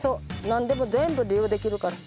なんでも全部利用できるから。